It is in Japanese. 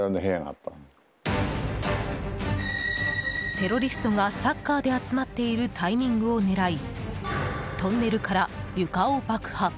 テロリストがサッカーで集まっているタイミングを狙いトンネルから床を爆破。